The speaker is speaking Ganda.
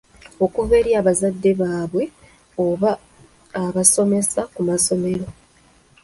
Okuva eri abazadde baabwe oba abasomesa ku masomero.